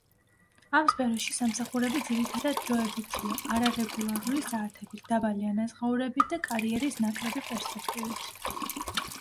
ამ სფეროში სამსახურები ძირითადად დროებითია, არარეგულარული საათებით, დაბალი ანაზღაურებით და კარიერის ნაკლები პერსპექტივით.